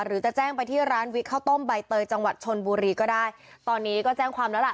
จะแจ้งไปที่ร้านวิกข้าวต้มใบเตยจังหวัดชนบุรีก็ได้ตอนนี้ก็แจ้งความแล้วล่ะ